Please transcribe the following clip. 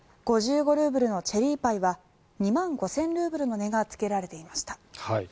ルーブルのチェリーパイは２万５０００ルーブルの値がつけられていました。